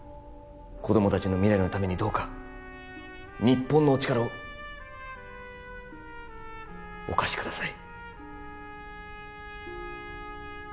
子供たちの未来のためにどうか日本のお力をお貸しください